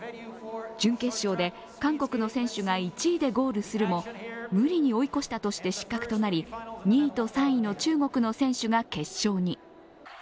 準決勝で韓国の選手が１位でゴールするも、無理に追い越したとして失格となり、２位と３位の中国の選手が決勝に。